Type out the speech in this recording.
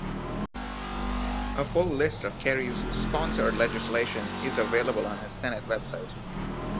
A full list of Kerry's sponsored legislation is available on his Senate web site.